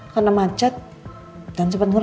karena macet dan sempat ngeram